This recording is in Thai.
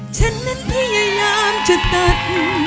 ฉันนั้นพยายามจะตัด